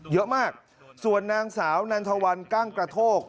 เยอะมากส่วนนางสาวนันทวันกั้งกระโทก